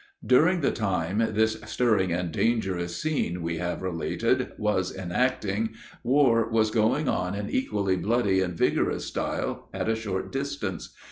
"During the time this stirring and dangerous scene, we have related, was enacting, war was going on in equally bloody and vigorous style at a short distance.